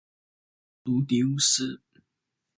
奥卢狄乌斯。